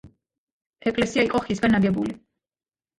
ეკლესია იყო ხისგან აგებული.